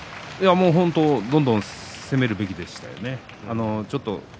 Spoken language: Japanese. どんどん攻めるべきでしたね。